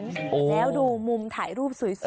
แล้วดูมุมถ่ายรูปสวย